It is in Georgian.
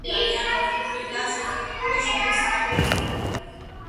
გავრცელებული არიან ტროპიკული და სუბტროპიკული ზღვების სანაპირო წყლებში.